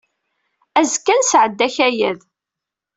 Azekka, ad nesɛeddi akayad.